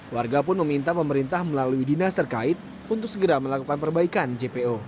warga pun meminta pemerintah melalui dinas terkait untuk segera melakukan perbaikan jpo